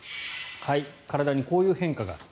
体にこういう変化がある。